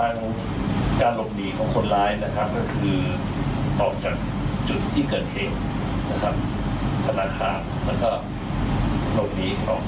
ในทิศทางการลงมือของคนร้ายนะครับก็คือต่อจากจุดที่เกิดเหตุนะครับ